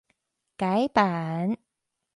改版